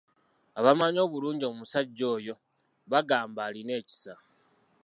Abamanyi obulungi omusajja oyo bagamba alina ekisa.